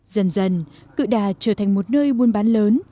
dần dần cự đà trở thành một nơi buôn bán lớn